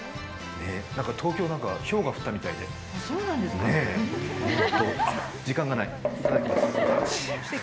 東京なんかひょうが降ったみたいでえっと時間がない、いただきます。